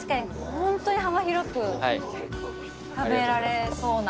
本当に幅広く食べられそうな。